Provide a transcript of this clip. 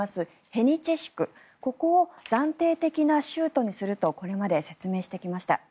ヘニチェシクここを暫定的な州都にするとこれまで説明してきました。